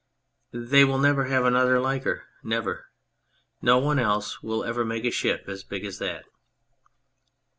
" They will never have another like her never ! No one else will ever make a ship as big as that